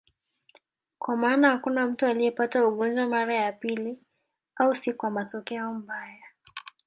Kwa maana hakuna mtu aliyepata ugonjwa mara ya pili, au si kwa matokeo mbaya.